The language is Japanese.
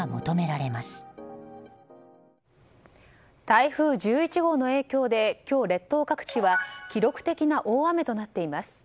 台風１１号の影響で今日、列島各地は記録的な大雨となっています。